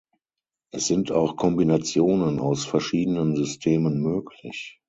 Es sind auch Kombinationen aus verschiedenen Systemen möglich.